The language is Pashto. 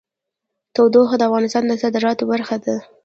تودوخه د افغانستان د صادراتو برخه ده.